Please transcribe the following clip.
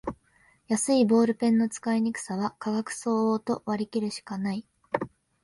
安いボールペンの使いにくさは価格相応と割りきるしかない